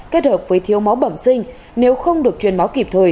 kết hợp với thiếu máu bẩm sinh nếu không được truyền máu kịp thời